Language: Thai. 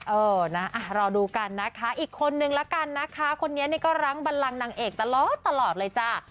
เออนะรอดูกันนะคะอีกคนนึงละกันนะคะคนนี้เนี่ยก็รั้งบันลังนางเอกตลอดตลอดเลยจ้า